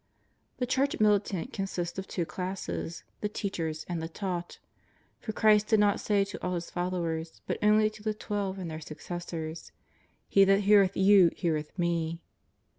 The Church Militant consists of two classes, the teachers and the taught. For Christ did not say to all His followers but only to the Twelve and their successors: "He that heareth you heareth Me."